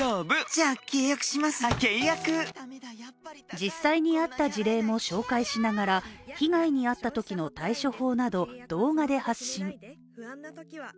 実際にあった事例も紹介しながら被害に遭ったときの対処法など、動画で発信。